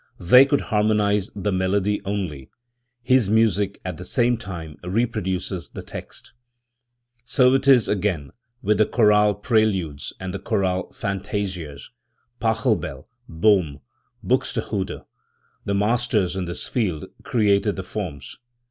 They could harmonise the melody only; his music at the same time reproduces the text. So it is, again, with the chorale preludes and the chorale fantasias. Pachelbel, Bohna and Buxtehude, the masters in this field, created the forms.